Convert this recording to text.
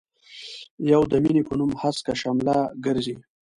يو د مينې په نوم هسکه شمله ګرزي.